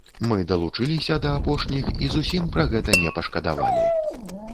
Мы далучыліся да апошніх і зусім пра гэта не пашкадавалі.